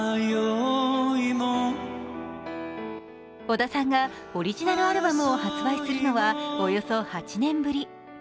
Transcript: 小田さんがオリジナルアルバムを発売するのはおよそ８年ぶり。